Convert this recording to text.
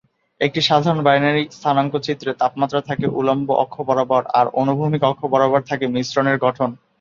একটি সাধারণ বাইনারি স্থানাঙ্ক চিত্রে তাপমাত্রা থাকে উল্লম্ব অক্ষ বরাবর আর অনুভূমিক অক্ষ বরাবর থাকে মিশ্রণের গঠন।